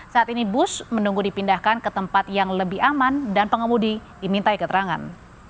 saat ini bus menunggu dipindahkan ke tempat yang lebih aman dan pengemudi dimintai keterangan